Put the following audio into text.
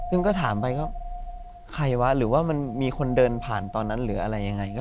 ซึ่งก็ถามไปเขินใจว่ามีคนเดินผ่านตอนนั้นหรือยังไง